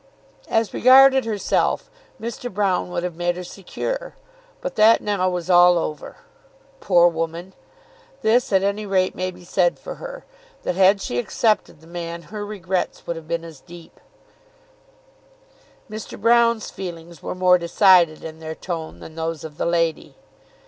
As regarded herself, Mr. Broune would have made her secure, but that now was all over. Poor woman! This at any rate may be said for her, that had she accepted the man her regrets would have been as deep. Mr. Broune's feelings were more decided in their tone than those of the lady.